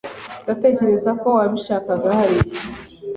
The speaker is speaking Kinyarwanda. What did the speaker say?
Ndatekereza ko wabishaka hariya.